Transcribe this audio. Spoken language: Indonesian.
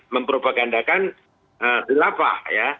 mempropagandakan dilapah ya